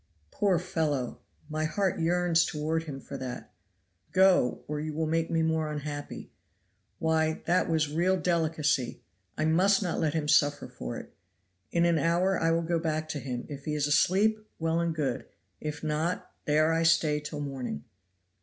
Poor fellow, my heart yearns toward him for that. 'Go, or you will make me more unhappy.' Why, that was real delicacy. I must not let him suffer for it. In an hour I will go back to him. If he is asleep, well and good; if not, there I stay till morning."